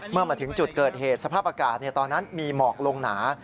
เมื่อมาถึงจุดเกิดเหตุสภาพอากาศตอนนั้นมีหมอกลงหนา